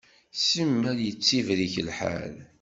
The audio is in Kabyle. Simmal yettibrik lḥal.